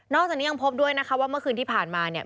จากนี้ยังพบด้วยนะคะว่าเมื่อคืนที่ผ่านมาเนี่ย